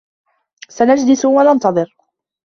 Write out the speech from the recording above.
سنجلس و ننتظر.